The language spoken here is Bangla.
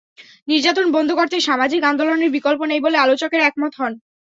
নির্যাতন বন্ধ করতে সামাজিক আন্দোলনের বিকল্প নেই বলে আলোচকেরা একমত হন।